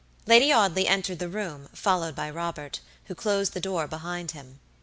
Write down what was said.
Lady Audley entered the room, followed by Robert, who closed the door behind him.